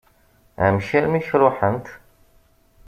Amek armi i k-ṛuḥent?